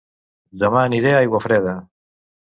Dema aniré a Aiguafreda